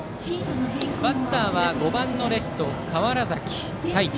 バッターは５番のレフト川原崎太一。